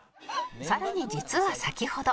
更に実は先ほど